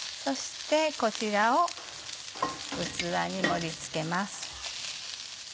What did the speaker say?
そしてこちらを器に盛り付けます。